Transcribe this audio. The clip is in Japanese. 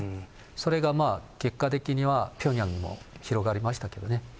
それがまあ結果的にはピョンヤンにも広がりましたけどね。